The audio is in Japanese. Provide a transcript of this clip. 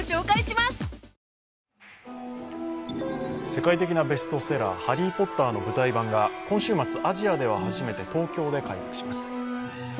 世界的なベストセラー「ハリー・ポッター」の舞台版が今週末、今週末、アジアでは初めて東京で開幕します。